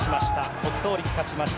北勝力、勝ちました。